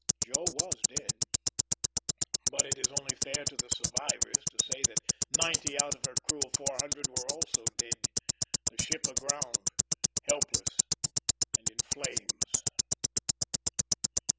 Joe was dead; but it is only fair to the survivors to say that ninety out of her crew of four hundred were also dead, the ship aground, helpless, and in flames.